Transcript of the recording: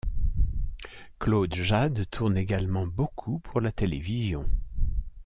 Claude Jade tourne également beaucoup pour la télévision.